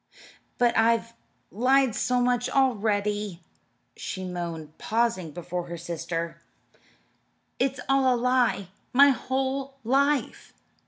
"But I've lied so much already!" she moaned, pausing before her sister. "It's all a lie my whole life!"